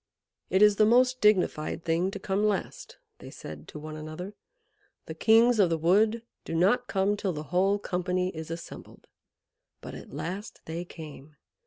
"It is the most dignified thing to come last!" they said to one another. "The kings of the wood do not come till the whole company is assembled." But at last they came.